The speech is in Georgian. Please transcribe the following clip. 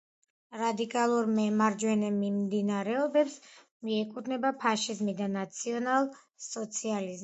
რადიკალურ მემარჯვენე მიმდინარეობებს მიეკუთვნება ფაშიზმი და ნაციონალ-სოციალიზმი.